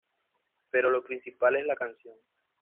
Pero lo principal es la canción.